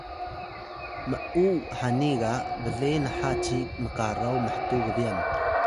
m’u hani ga ble naha ci mkaraw mhtuw gbyan